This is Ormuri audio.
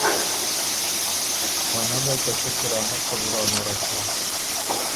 او نۀ مې ته څۀ کرامت خبُره امرک هۀ۔